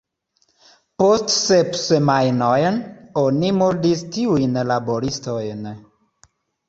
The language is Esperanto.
Post sep semajnoj oni murdis tiujn laboristojn.